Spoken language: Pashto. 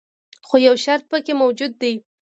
خو یو شرط پکې موجود دی.